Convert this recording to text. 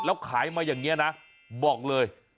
แล้วขายมาอย่างนี้นะบอกเลย